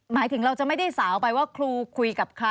หมายถึงเราจะไม่ได้สาวไปว่าครูคุยกับใคร